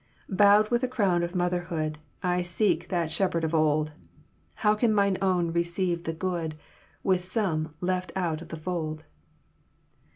Bowed with the crown of Motherhood, I seek that Shepherd of old; "How can mine own receive the good With some left out of the fold?"